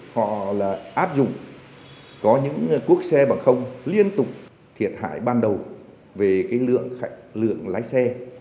họ là áp dụng có những cuốc xe bằng không liên tục thiệt hại ban đầu về cái lượng lái xe